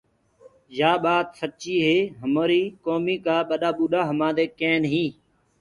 يآ ٻآت سچيٚ هي همريٚ ڪوميٚ ڪآ ٻڏآ ٻوٚڏآ همانٚدي ڪينيٚ۔